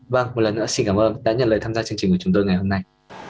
vâng một lần nữa xin cảm ơn đã nhận lời tham gia chương trình của chúng tôi ngày hôm nay